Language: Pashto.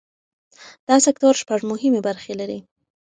دا سکتور شپږ مهمې برخې لري.